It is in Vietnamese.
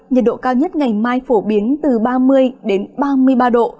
nhiệt độ cao nhất ngày mai phổ biến từ ba mươi đến ba mươi ba độ